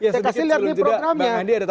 saya kasih lihat nih programnya